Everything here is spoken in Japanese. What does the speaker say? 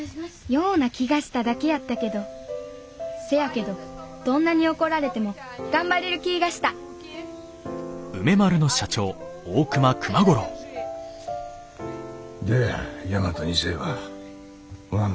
ような気がしただけやったけどせやけどどんなに怒られても頑張れる気ぃがしたどや大和２世はおらんのかいな。